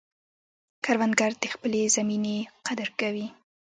کروندګر د خپلې زمینې قدر کوي